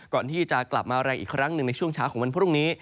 ก่อนที่จะกลับมาแรงอีกครั้งหนึ่งในช่วงเช้าของวันพรุ่งนี้